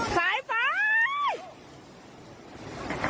สายไฟ